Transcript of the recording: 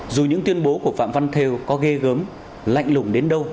dù những tuyên bố của phạm văn theo có ghê gớm lạnh lùng đến đâu